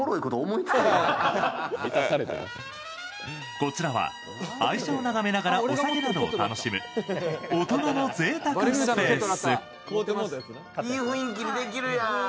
こちらは愛車を眺めながらお酒などを楽しむ大人のぜいたくスペース。